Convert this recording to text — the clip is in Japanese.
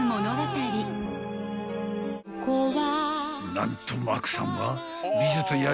［何とマークさんは］